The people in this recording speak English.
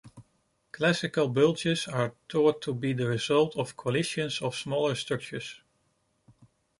Classical bulges are thought to be the result of collisions of smaller structures.